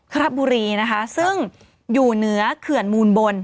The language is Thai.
ระบุรีนะคะซึ่งอยู่เหนือเขื่อนมูลบน